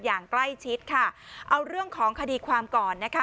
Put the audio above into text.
อย่างใกล้ชิดค่ะเอาเรื่องของคดีความก่อนนะคะ